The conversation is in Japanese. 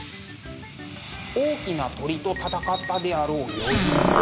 大きな鳥と戦ったであろう余韻。